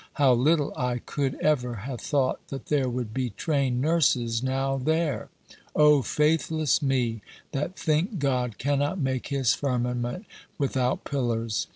How little I could ever have thought that there would be trained nurses now there! O faithless me, that think God cannot make His firmament without pillars."